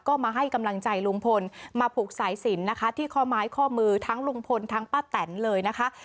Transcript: ก็มาให้กำลังใจลุงพลมาผูกสายสินนะคะที่ข้อไม้ข้อมือทั้งลุงพลทั้งป้าแตนเลยนะคะ